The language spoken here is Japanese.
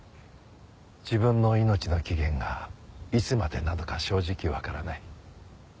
自分の命の期限がいつまでなのか正直わからない。